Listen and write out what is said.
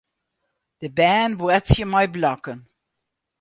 De bern boartsje mei blokken.